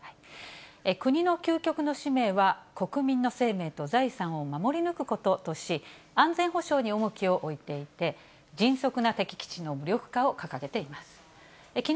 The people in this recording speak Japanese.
国の究極の使命は国民の生命と財産を守り抜くこととし、安全保障に重きを置いていて、迅速な敵基地の無力化を掲げています。